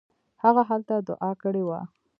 هغه هلته دوعا کړې وه.